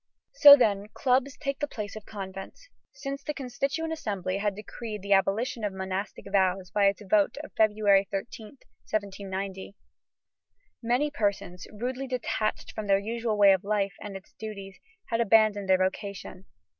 So, then, clubs take the place of convents. Since the Constituent Assembly had decreed the abolition of monastic vows by its vote of February 13, 1790, many persons, rudely detached from their usual way of life and its duties, had abandoned their vocation.